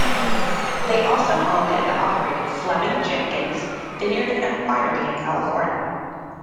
They also owned and operated Fleming Jenkins Vineyards and Winery in California.